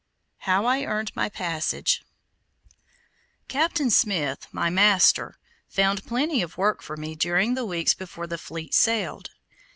HOW I EARNED MY PASSAGE Captain Smith, my master, found plenty of work for me during the weeks before the fleet sailed.